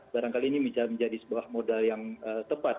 barangkali ini menjadi sebuah modal yang tepat